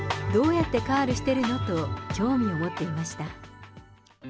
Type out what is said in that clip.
どうやってカールしてるの？と興味を持っていました。